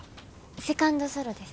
セカンド・ソロです。